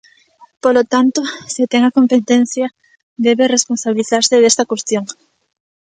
Polo tanto, se ten a competencia, debe responsabilizarse desta cuestión.